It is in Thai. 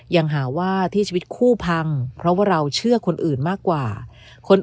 ยังหาว่าที่ชีวิตคู่พังเพราะว่าเราเชื่อคนอื่นมากกว่าคน